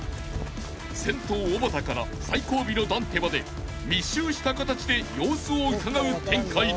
［先頭おばたから最後尾のダンテまで密集した形で様子をうかがう展開に］